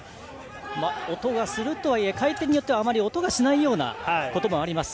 音がするとはいえ回転によっては音がしないこともあります。